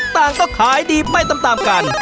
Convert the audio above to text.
ต่างก็ขายดีไปตามกัน